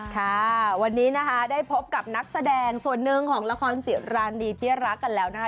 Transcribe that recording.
ค่ะวันนี้นะคะได้พบกับนักแสดงส่วนหนึ่งของละครศิรานดีที่รักกันแล้วนะคะ